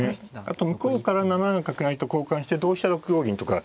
あと向こうから７七角成と交換して同飛車６五銀とか。